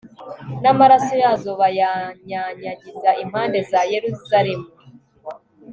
n'amaraso yazo bayanyanyagiza impande za yeruzalemu